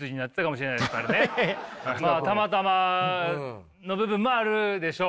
まあたまたまの部分もあるでしょう。